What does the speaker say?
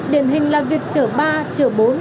điển hình là việc chở ba chở bốn